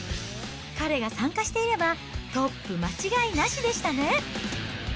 彼が参加していれば、トップ間違いなしでしたね。